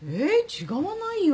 違わないよ。